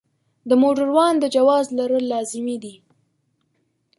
د موټروان د جواز لرل لازمي دي.